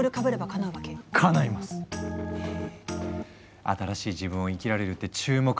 新しい自分を生きられるって注目のメタバース。